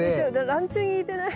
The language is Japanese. ランチュウに似てない？